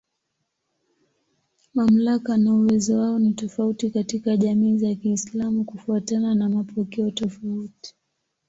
Mamlaka na uwezo wao ni tofauti katika jamii za Kiislamu kufuatana na mapokeo tofauti.